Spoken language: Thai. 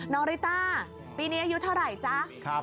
ริต้าปีนี้อายุเท่าไหร่จ๊ะ